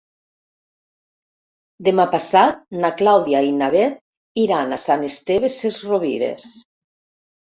Demà passat na Clàudia i na Bet iran a Sant Esteve Sesrovires.